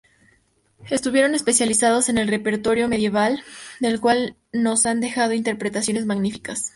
Estuvieron especializados en el repertorio medieval, del cual nos han dejado interpretaciones magníficas.